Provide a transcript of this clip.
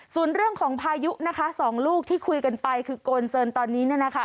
ส่วนเรื่องของพายุนะคะสองลูกที่คุยกันไปคือโกนเซินตอนนี้เนี่ยนะคะ